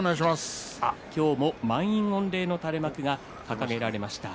今日も満員御礼の垂れ幕が掲げられました。